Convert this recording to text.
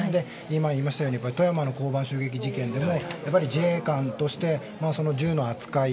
今言いましたように富山の交番襲撃事件でも自衛官として、銃の扱い